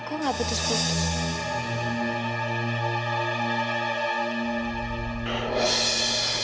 kok enggak putus putus